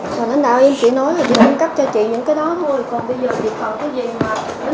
rồi lãnh đạo em chỉ nói là chị cung cấp cho chị những cái đó thôi